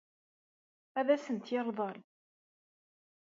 Ad asent-t-yeṛḍel?